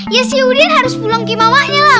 ya si udin harus pulang ke mamaknya lah